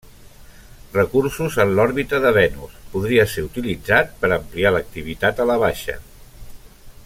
Recursos en l'òrbita de Venus podria ser utilitzat per ampliar l'activitat a la baixa.